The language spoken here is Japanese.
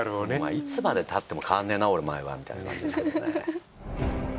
いつまでたっても変わんねえなお前はみたいな感じですけどね。